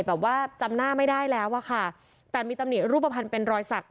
จำหน้าไม่ได้แล้วอะค่ะแต่มีตำหนิรูปภัณฑ์เป็นรอยสัก